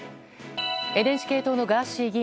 ＮＨＫ党のガーシー議員。